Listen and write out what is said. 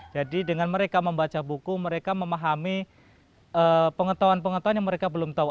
jadi dengan mereka membaca buku mereka memahami pengetahuan pengetahuan yang mereka belum tahu